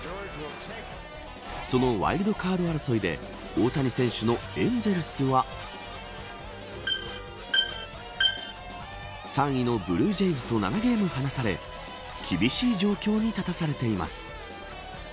そのワイルドカード争いで大谷選手のエンゼルスは３位のブルージェイズと７ゲーム離され厳しい状況に立たされています。